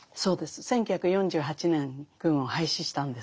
１９４８年軍を廃止したんです。